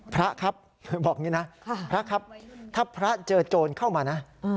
พระครับบอกอย่างนี้นะพระครับถ้าพระเจอโจรเข้ามานะ